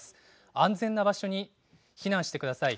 安全な場所に避難してください。